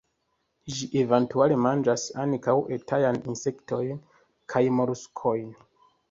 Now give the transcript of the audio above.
Ĝi eventuale manĝas ankaŭ etajn insektojn kaj moluskojn.